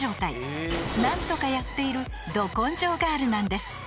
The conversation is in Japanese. ［何とかやっているど根性ガールなんです］